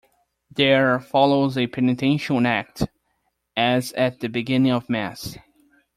There follows a penitential act, as at the beginning of Mass.